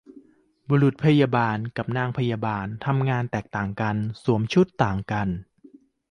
บุรุษพยาบาล กับนางพยาบาล ทำงานแตกต่างกัน สวมชุดก็ต่างกัน